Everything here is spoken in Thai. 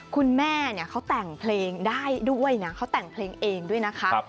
คุณแม่เนี่ยเขาแต่งเพลงได้ด้วยนะเขาแต่งเพลงเองด้วยนะคะ